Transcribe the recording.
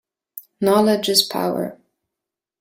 Knowledge is power.